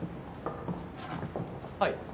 はい。